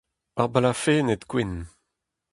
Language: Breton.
Ar balafenned gwenn.